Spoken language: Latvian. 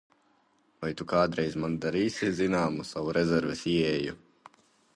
Vai tu kādreiz man darīsi zināmu savu rezerves ieeju?